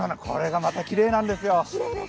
これがまたきれいなんですよ。